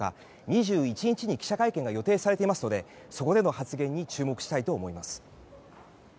２１日に記者会見が予定されていますのでそこでの発言に注目したいと思います。